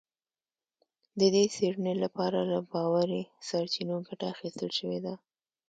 د دې څېړنې لپاره له باوري سرچینو ګټه اخیستل شوې ده